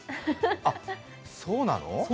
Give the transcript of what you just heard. あ、そうなの？